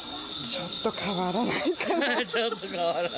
ちょっと変わらない？